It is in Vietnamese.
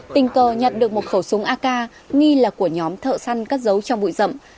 tình cờ nhận được một khẩu súng ak nghi là của nhóm thợ săn cắt dấu trong bụi rậm